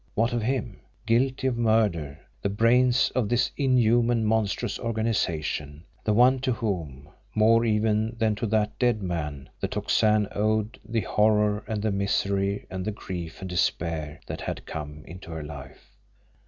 What of him guilty of murder, the brains of this inhuman, monstrous organisation, the one to whom, more even than to that dead man, the Tocsin owed the horror and the misery and the grief and despair that had come into her life!